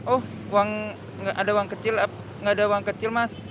oh ada uang kecil mas